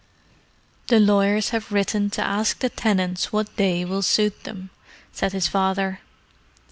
"The lawyers have written to ask the tenants what day will suit them," said his father.